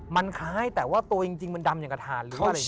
มันคล้ายแต่ว่าตัวจริงมันดำอย่างกระทานหรืออะไรอย่างนี้